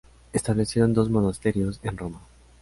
Establecieron dos monasterios en Roma.